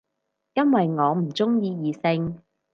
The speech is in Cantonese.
因為我唔鍾意異性